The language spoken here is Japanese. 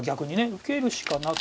受けるしかなく。